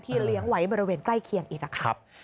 เลี้ยงไว้บริเวณใกล้เคียงอีกค่ะ